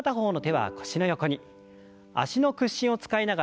はい。